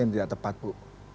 yang tidak tepat bu